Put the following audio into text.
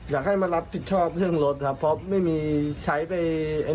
อยากให้มารับผิดชอบเรื่องรถครับเพราะไม่มีใช้ไป